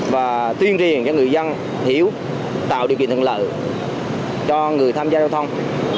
và tuyên riêng cho người dân hiểu tạo điều kiện thận lợi cho người tham gia giao thông